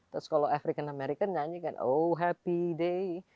terus kalau african america nyanyikan oh happy day